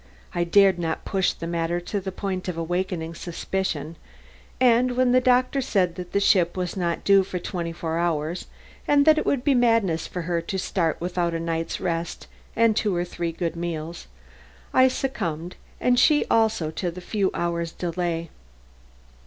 I dared not push the matter to the point of awakening suspicion, and when the doctor said that the ship was not due for twenty hours and that it would be madness for her to start without a night's rest and two or three good meals, I succumbed and she also to the few hours' delay.